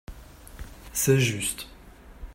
C’est juste.